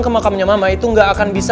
ke makamnya mama itu nggak akan bisa